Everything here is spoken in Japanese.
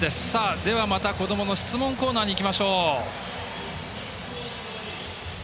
では、またこどもの質問コーナーにいきましょう。